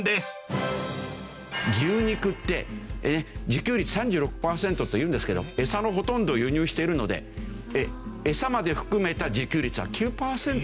牛肉って自給率３６パーセントというんですけどエサのほとんどを輸入しているのでエサまで含めた自給率は９パーセントになっちゃう。